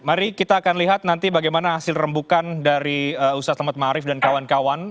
mari kita akan lihat nanti bagaimana hasil rembukan dari ustaz lema marief dan kawan kawan